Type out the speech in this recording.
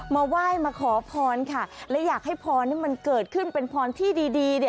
มาไหว้มาขอพรค่ะและอยากให้พรที่มันเกิดขึ้นเป็นพรที่ดี